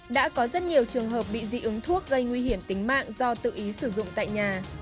đã có rất nhiều trường hợp bị dị ứng thuốc gây nguy hiểm tính mạng do tự ý sử dụng tại nhà